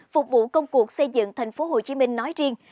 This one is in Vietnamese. phục vụ công cuộc xây dựng tp hcm nói riêng